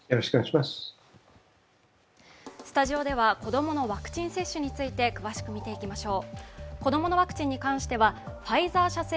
スタジオでは子供のワクチン接種について詳しく見ていきましょう。